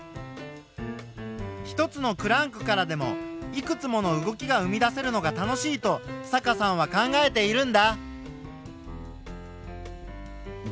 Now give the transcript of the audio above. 一つのクランクからでもいくつもの動きが生み出せるのが楽しいと坂さんは考えているんだ。